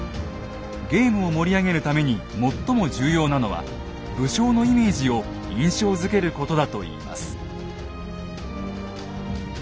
ゲームを盛り上げるために最も重要なのは武将のイメージを印象づけることだといいます。